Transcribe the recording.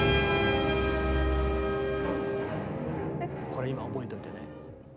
これ今覚えておいてね。